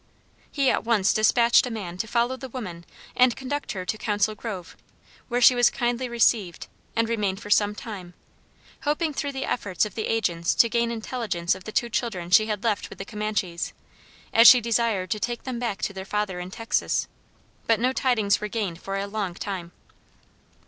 He at once dispatched a man to follow the woman and conduct her to Council Grove, where she was kindly received, and remained for some time, hoping through the efforts of the agents to gain intelligence of the two children she had left with the Comanches, as she desired to take them back to their father in Texas; but no tidings were gained for a long while.